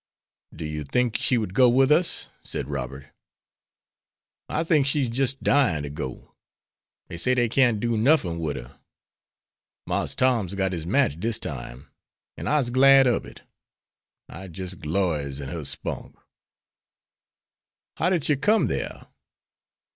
"Do you think she would go with us?" said Robert. "I think she's jis' dying to go. Dey say dey can't do nuffin wid her. Marse Tom's got his match dis time, and I'se glad ob it. I jis' glories in her spunk." "How did she come there?"